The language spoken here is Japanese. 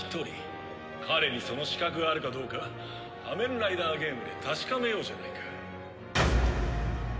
彼にその資格があるかどうか仮面ライダーゲームで確かめようじゃないか。